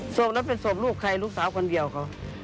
ศพนั้นเป็นศพลูกใครลูกสาวคนเดียวเขา